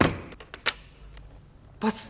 パス。